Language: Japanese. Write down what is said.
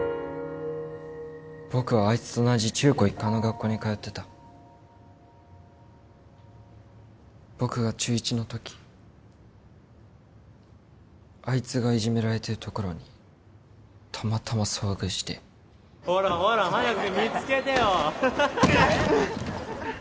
僕はあいつと同じ中高一貫の学校に通ってた僕が中１のときあいつがいじめられてるところにたまたま遭遇して・ほらほら早く見つけてよハハハハハ